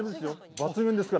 抜群ですから。